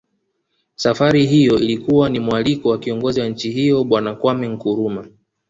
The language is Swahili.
Safari hiyo ilikuwa ni mwaliko wa kiongozi wa nchi hiyo Bwana Kwameh Nkrumah